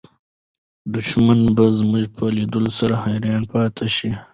دښمنان به زموږ په لیدلو سره حیران پاتې شي.